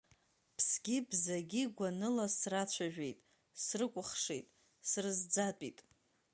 Ԥсгьы бзагьы гәаныла срацәажәеит, срыкәхшеит, срызӡатәит.